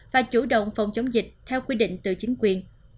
và chủ động phòng chống dịch theo quy định từ chính quyền